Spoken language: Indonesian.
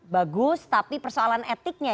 bagus tapi persoalan etiknya